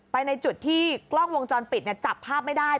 ในจุดที่กล้องวงจรปิดจับภาพไม่ได้